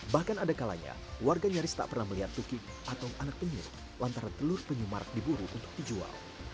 bahkan ada kalanya warga nyaris tak pernah melihat tukik atau anak penyuh lantaran telur penyu marak diburu untuk dijual